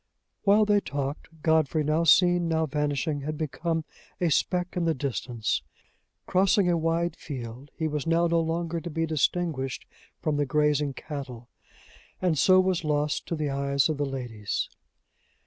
While they talked, Godfrey, now seen, now vanishing, had become a speck in the distance. Crossing a wide field, he was now no longer to be distinguished from the grazing cattle, and so was lost to the eyes of the ladies.